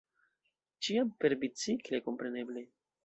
Ĉiam perbicikle, kompreneble!